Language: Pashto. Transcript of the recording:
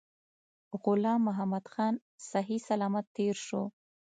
غلام محمدخان صحی سلامت تېر شو.